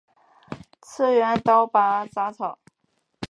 次元刀拔杂草